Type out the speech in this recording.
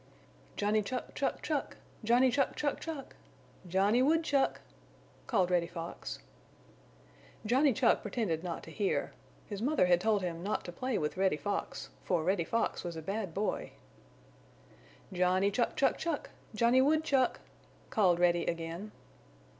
"Johnny Chuck, Chuck, Chuck! Johnny Chuck, Chuck, Chuck! Johnny Woodchuck!" called Reddy fox. Johnny Chuck pretended not to hear. His mother had told him not to play with Reddy Fox, for Reddy Fox was a bad boy. "Johnny Chuck, Chuck, Chuck! Johnny Woodchuck!" called Reddy again.